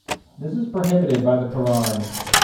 This is prohibited by the Quran.